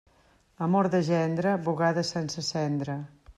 Amor de gendre, bugada sense cendra.